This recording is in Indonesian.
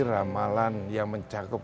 ramalan yang mencakup